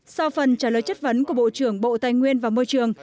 sau phần trả lời chất vấn của bộ trưởng bộ tài nguyên và môi trường